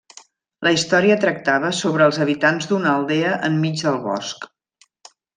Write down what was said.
La història tractava sobre els habitants d'una aldea enmig del bosc.